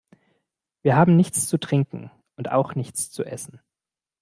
Wir haben nichts zu trinken und auch nichts zu essen.